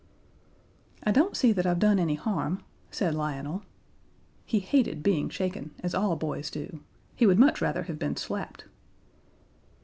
"I don't see that I've done any harm," said Lionel. He hated being shaken, as all boys do; he would much rather have been slapped.